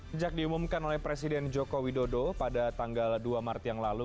sejak diumumkan oleh presiden joko widodo pada tanggal dua maret yang lalu